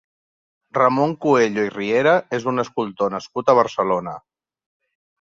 Ramon Cuello i Riera és un escultor nascut a Barcelona.